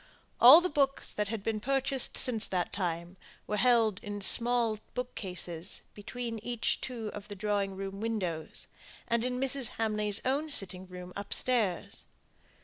All the books that had been purchased since that time were held in small book cases between each two of the drawing room windows, and in Mrs. Hamley's own sitting room upstairs.